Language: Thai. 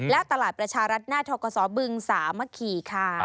และตลาดประชารัฐหน้าทกศบึงสามะขี่ค่ะ